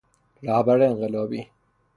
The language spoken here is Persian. رهبر انقلابی